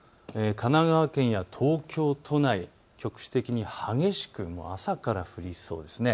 神奈川県や東京都内、局地的に激しく雨から降りそうです。